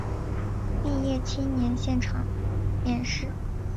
毕业青年现场面试